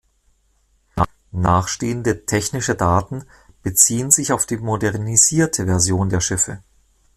Nachstehende technische Daten beziehen sich auf die modernisierte Version der Schiffe.